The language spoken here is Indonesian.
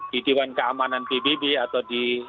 di dewan keamanan pbb atau di